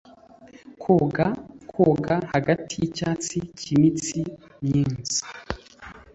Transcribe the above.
koga, koga hagati yicyatsi cyiminsi myiza